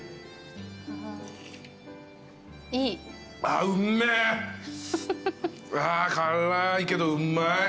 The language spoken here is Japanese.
あ辛いけどうまい。